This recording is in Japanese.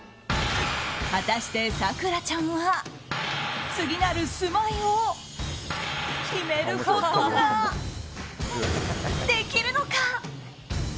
果たして咲楽ちゃんは次なる住まいを決めることができるのか。